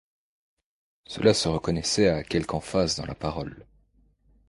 Cela se reconnaissait à quelque emphase dans la parole.